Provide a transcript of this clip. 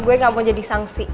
gue gak mau jadi sanksi